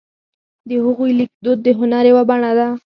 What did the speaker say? د هغوی لیکدود د هنر یوه بڼه ده.